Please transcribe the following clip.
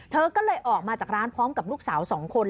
เธอก็เลยออกมาจากร้านพร้อมกับลูกสาว๒คน